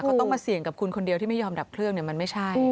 เขาต้องมาเสี่ยงกับคุณคนเดียวที่ไม่ยอมดับเครื่องมันไม่ใช่